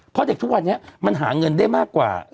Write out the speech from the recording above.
เพราะเด็กทุกวันนี้มันหาเงินได้มากกว่า